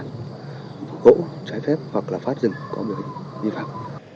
hỗ trái phép hoặc phát rừng có biểu hiện vi phạm